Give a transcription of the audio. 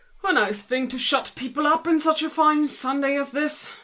"A nice thing to shut people up such a fine Sunday as this!"